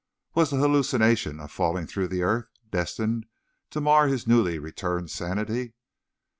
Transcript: Was the hallucination of falling through the earth destined to mar his newly returned sanity?